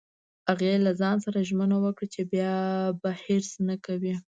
هغې له ځان سره ژمنه وکړه چې بیا به حرص نه کوي